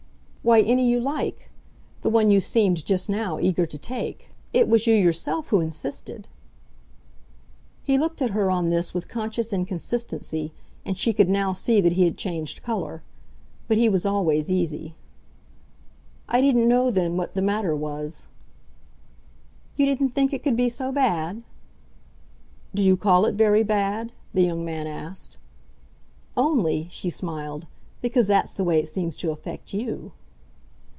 "Why, any you like the one you seemed just now eager to take. It was you yourself who insisted." He looked at her on this with conscious inconsistency, and she could now see that he had changed colour. But he was always easy. "I didn't know then what the matter was." "You didn't think it could be so bad?" "Do you call it very bad?" the young man asked. "Only," she smiled, "because that's the way it seems to affect YOU."